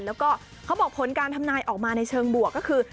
แล้วก็เขาบอกผลการทำนายออกมาในเชิงบวกก็คือ